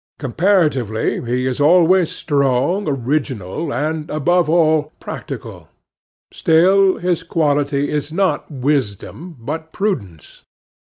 Comparatively, he is always strong, original, and, above all, practical. Still his quality is not wisdom, but prudence.